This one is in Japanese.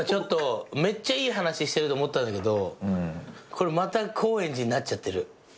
今めっちゃいい話してると思ったんだけどこれまた高円寺になっちゃってる。